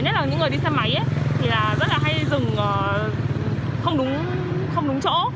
nhất là những người đi xe máy thì rất là hay đi dừng không đúng chỗ